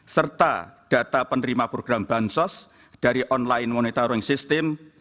serta data penerima program bansos dari online monitoring system